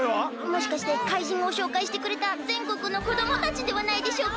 もしかして怪人をしょうかいしてくれたぜんこくのこどもたちではないでしょうか？